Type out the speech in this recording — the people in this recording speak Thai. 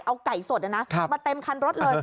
เอาไก่สดมาเต็มคันรถเลย